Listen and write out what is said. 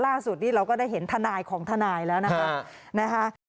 ล่าสุดนี้เราก็ได้เห็นทนายของทนายแล้วนะคะ